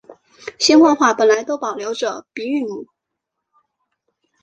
兴化话本来都保留着的鼻韵母。